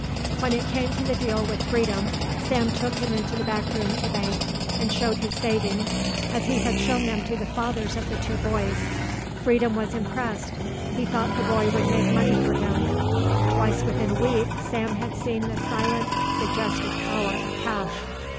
When it came to the deal with Freedom, Sam took him into the back room at the bank and showed his savings as he had shown them to the fathers of the two boys. Freedom was impressed. He thought the boy would make money for him. Twice within a week Sam had seen the silent suggestive power of cash.